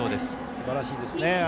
すばらしいですね。